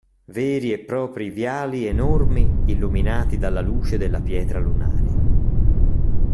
Veri e proprio viali enormi illuminati dalla luce della pietra lunare.